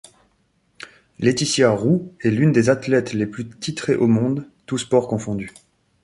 Laetitia Roux est l’une des athlètes les plus titrées au monde, tous sports confondus.